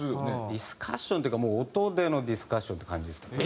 ディスカッションっていうかもう音でのディスカッションって感じですかね。